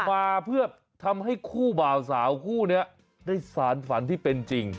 มาเพื่อทำให้คู่บ่าวสาวคู่นี้ได้สารฝันที่เป็นจริง